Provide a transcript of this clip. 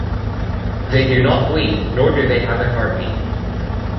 They do not bleed, nor do they have a heartbeat.